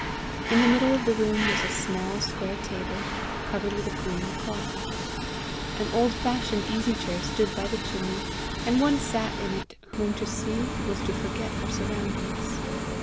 In the middle of the room was a small square table, covered with a green cloth. An old fashioned easy chair stood by the chimney; and one sat in it whom to see was to forget her surroundings.